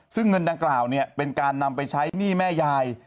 ซึ่งเงินดังกล่าวเป็นการนำไปใช้หนี้แม่ยาย